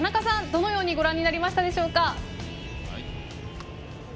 どのようにご覧になりましたか？